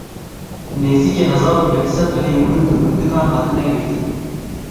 Nêzîkî hezar û pênc sed rêyên gund û gundikan hatine girtin.